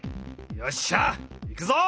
よっしゃいくぞ！